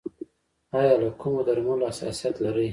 ایا له کومو درملو حساسیت لرئ؟